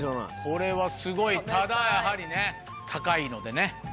これはすごいただやはりね高いのでね。